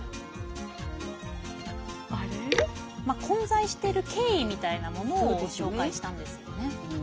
混在している経緯みたいなものを紹介したんですよね。